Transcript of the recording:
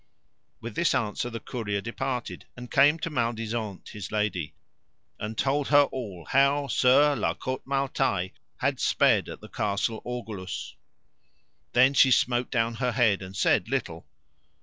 With this answer the courier departed and came to Maledisant his lady, and told her all how Sir La Cote Male Taile had sped at the Castle Orgulous. Then she smote down her head, and said little.